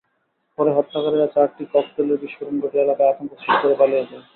পরে হত্যাকারীরা চারটি ককটেলের বিস্ফোরণ ঘটিয়ে এলাকায় আতঙ্ক সৃষ্টি করে পালিয়ে যায়।